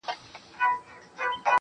حالاتو داسې جوارې راسره وکړله چي